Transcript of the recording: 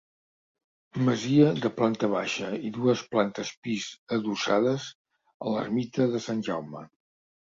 Masia de planta baixa i dues plantes pis adossades a l'ermita de Sant Jaume.